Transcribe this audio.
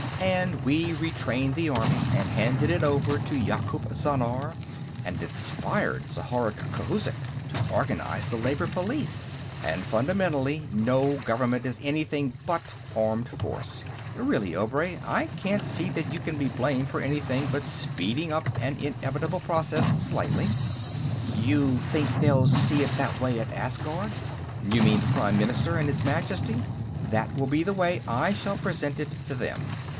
And we retrained the army and handed it over to Yakoop Zhannar, and inspired Zhorzh Khouzhik to organize the Labor Police, and fundamentally, no government is anything but armed force. Really, Obray, I can't see that you can be blamed for anything but speeding up an inevitable process slightly." "You think they'll see it that way at Asgard?" "You mean the Prime Minister and His Majesty? That will be the way I shall present it to them.